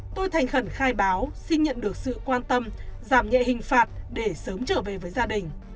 tôi thành khẩn khai báo xin nhận được sự quan tâm giảm nhẹ hình phạt để sớm trở về với gia đình